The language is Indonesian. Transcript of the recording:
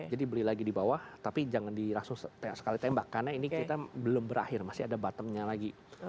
jadi beli lagi di bawah tapi jangan dirakses sekali tembak karena ini kita belum berakhir masih ada bottomnya lagi